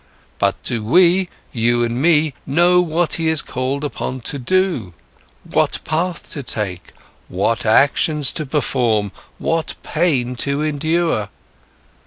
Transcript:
But do we, you and me, know what he is called upon to do, what path to take, what actions to perform, what pain to endure?